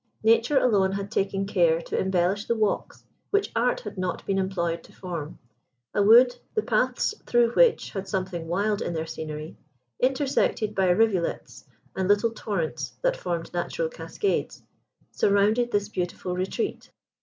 Nature alone had taken care to embellish the walks, which Art had not been employed to form. A wood, the paths through which had something wild in their scenery, intersected by rivulets and little torrents that formed natural cascades, surrounded this beautiful retreat.